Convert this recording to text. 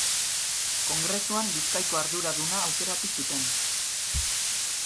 Kongresuan Bizkaiko arduraduna aukeratu zuten.